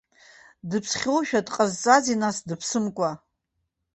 Дыԥсхьоушәа дҟазҵазеи, нас, дыԥсымкәа?